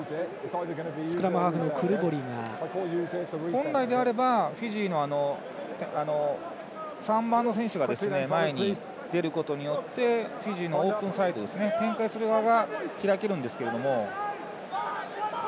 本来であれば、フィジーの３番の選手が前に出ることによってフィジーのオープンサイド展開する場が開けるんですけど。